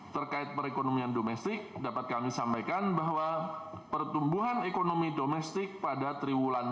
terkait perekonomian domestik dapat kami sampaikan bahwa pertumbuhan ekonomi domestik pada triwulan satu dua ribu enam belas